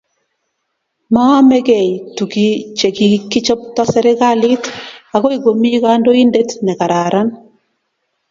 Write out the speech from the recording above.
Maamekei tukichekikichapto serkalit, akoi komi kandoindet ne kararan